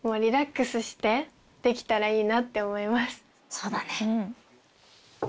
そうだね。